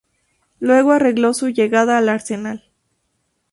Luego arregló su llegada a Arsenal.